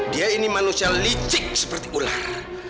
dia ini manusia licik seperti ular